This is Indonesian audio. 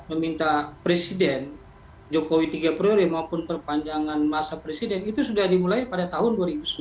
meminta presiden jokowi tiga periode maupun perpanjangan masa presiden itu sudah dimulai pada tahun dua ribu sembilan belas